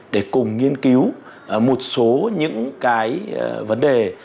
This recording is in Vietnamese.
để cùng nghiên cứu một số những vấn đề